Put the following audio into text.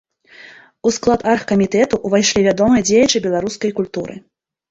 У склад аргкамітэту ўвайшлі вядомыя дзеячы беларускай культуры.